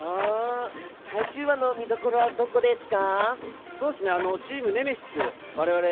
最終話の見どころはどこですか？